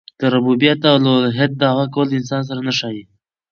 د ربوبیت او اولوهیت دعوه کول د انسان سره نه ښايي.